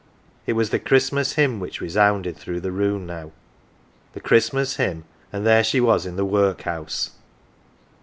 It was the Christmas Hymn which resounded through the room now the Christmas Hymn, and here she was in the^Workhouse